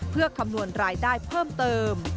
เพื่อคำนวณรายได้เพิ่มเติม